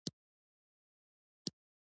جون له ماشومتوبه د اصولو ماتولو هڅه کوله